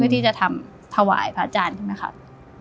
ที่จะทำถวายพระอาจารย์ใช่ไหมครับ